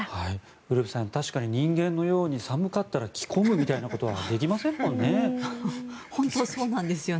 ウルヴェさん確かに人間のように寒かったら着込むみたいなことはできませんもんね。